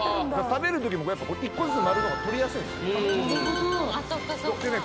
食べる時もやっぱ１個ずつ丸いほうが取りやすいんですよでね